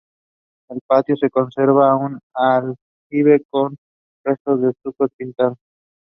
The life span of those who ride it can grow to two thousand years.